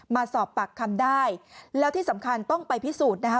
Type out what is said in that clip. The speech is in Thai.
มาสอบปากคำได้แล้วที่สำคัญต้องไปพิสูจน์นะคะ